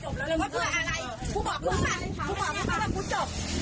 คำนี้ไม่ได้พูดหรอก